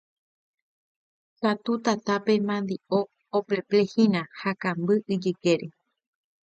katu tatápe mandi'o opleplehína ha kamby ijykére